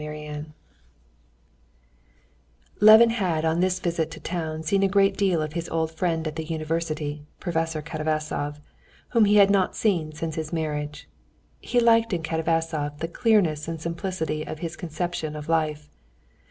Chapter 3 Levin had on this visit to town seen a great deal of his old friend at the university, Professor Katavasov, whom he had not seen since his marriage. He liked in Katavasov the clearness and simplicity of his conception of life.